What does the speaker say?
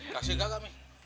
kasih gak kami